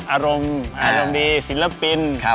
อารมณ์ดีศิลปิน